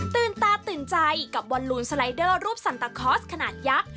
ตื่นตาตื่นใจกับวันลุนสไลเดอร์รูปซันตาคอสขนาดยักษ์